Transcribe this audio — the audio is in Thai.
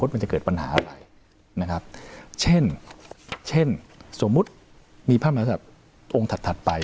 มันจะเกิดปัญหาอะไรนะครับเช่นเช่นสมมุติมีพระมหาศัตริย์องค์ถัดถัดไป